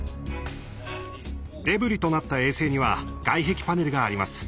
デブリとなった衛星には外壁パネルがあります。